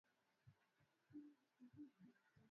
inafanya kuwa moja ya mito mchanga kabisa